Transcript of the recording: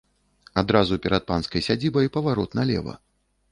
Адразу перад панскай сядзібай паварот налева.